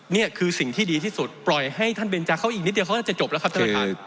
นี่คือสิ่งที่ดีที่สุดปล่อยให้ท่านเบนจาเขาอีกนิดเดียวเขาน่าจะจบแล้วครับท่านประธาน